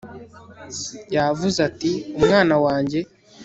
yavuze ati umwana wanjye